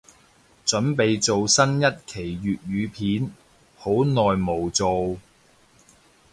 凖備做新一期粤語片，好耐無做